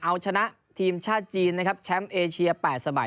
เอาชนะทีมชาติจีนนะครับแชมป์เอเชีย๘สมัย